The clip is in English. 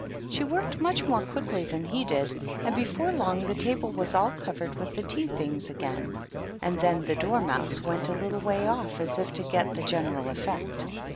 She worked much more quickly than he did, and before long the table was all covered with the tea things again ; and then the Dormouse went a little way off, as if to get the general effect.